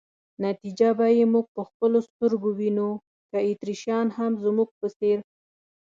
نتیجه به یې موږ په خپلو سترګو وینو، که اتریشیان هم زموږ په څېر.